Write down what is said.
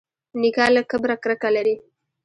نیکه له کبره کرکه لري.